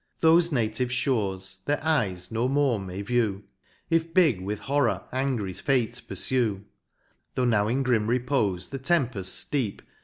— Thofe native fhores, their eyes no more may view. If big with horror angry fate purfue ; Tho' now in grim repofe the tempefts fleep.